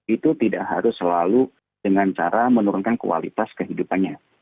itu tidak harus selalu dengan cara menurunkan kualitas kehidupannya